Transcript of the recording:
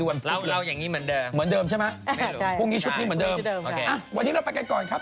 วันนี้เราไปกันก่อนครับ